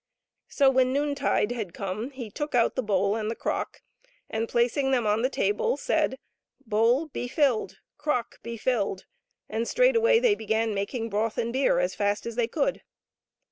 So when noontide had come he took out the bowl and the crock, and, placing them on the table, said, " Bowl be filled ! crock be filled !" and straightway they began making broth and beer as fast as they could.